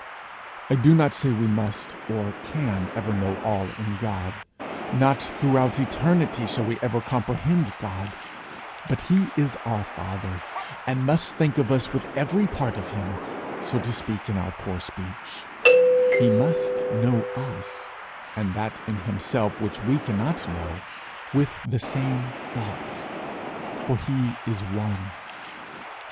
I do not say we must, or can ever know all in God; not throughout eternity shall we ever comprehend God, but he is our father, and must think of us with every part of him so to speak in our poor speech; he must know us, and that in himself which we cannot know, with the same thought, for he is one.